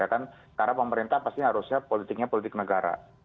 karena pemerintah harusnya politiknya politik negara